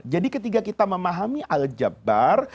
jadi ketika kita memahami al jabbar